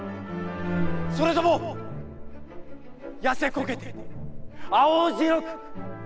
それとも痩せこけて、青白く、貧相か？」。